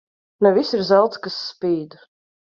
Ne viss ir zelts, kas spīd.